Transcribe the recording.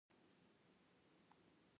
هر لیکوال یو باغوان دی.